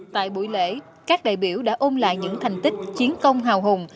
tại buổi lễ các đại biểu đã ôm lại những thành tích chiến công hào hùng